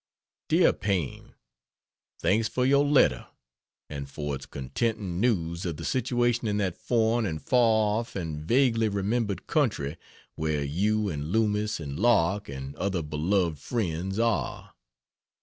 DEAR PAINE, Thanks for your letter, and for its contenting news of the situation in that foreign and far off and vaguely remembered country where you and Loomis and Lark and other beloved friends are.